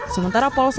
sementara polsek sawit